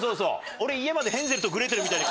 俺家までヘンゼルとグレーテルみたいに。